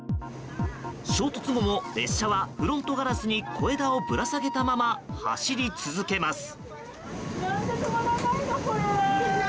衝突後も列車はフロントガラスに小枝をぶら下げたまま走り続けます。